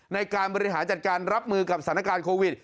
ในการบริหารจัดการรับมือกับสถานการณ์โควิด